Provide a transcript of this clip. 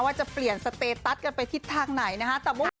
ว่าจะเปลี่ยนสเตตัสกันไปทิศทางไหนนะฮะ